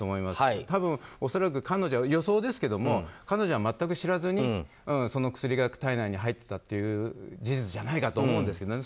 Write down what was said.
多分、恐らく彼女は予想ですけど彼女は全く知らずにその薬が体内に入っていたという事実じゃないかと思うんですね。